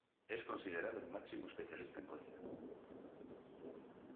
Es considerado el máximo especialista en Goya.